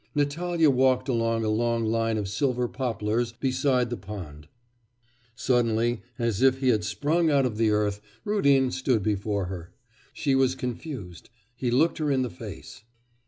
Natalya walked along a long line of silver poplars beside the pond; suddenly, as if he had sprung out of the earth, Rudin stood before her. She was confused. He looked her in the face.